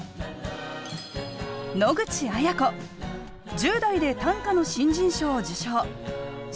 １０代で短歌の新人賞を受賞。